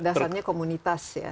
dasarnya komunitas ya